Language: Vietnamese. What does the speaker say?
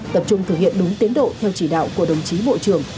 tập trung thực hiện đúng tiến độ theo chỉ đạo của đồng chí bộ trưởng